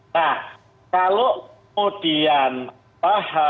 nah kalau kemudian pak